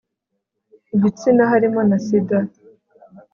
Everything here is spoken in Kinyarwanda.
gitsina harimo na sida